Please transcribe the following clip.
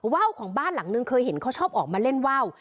ว่าวของบ้านหลังนึงเคยเห็นเขาชอบออกมาเล่นว่าว